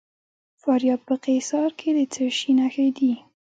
د فاریاب په قیصار کې د څه شي نښې دي؟